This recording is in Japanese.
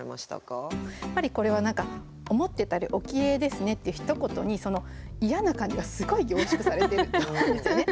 やっぱりこれは何か「思ってたよりお綺麗ですね」っていう一言に嫌な感じがすごい凝縮されてると思うんですよね。